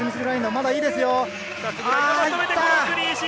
まだいいですよ。